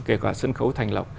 kể cả sân khấu thành lộc